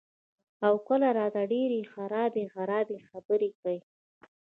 او کله راته ډېرې خرابې خرابې خبرې کئ " ـ